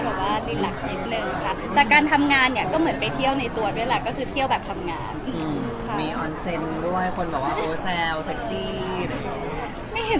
สำมารถปีนี้เดินทางเยอะมากเลยค่ะแต่ว่าทรีปนี้ก็โชคดีที่อย่างนั้นก็ได้อยู่ต่อเลย